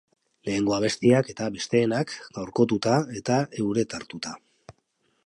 Lehengo abestiak eta besteenak, gaurkotuta eta euretartuta.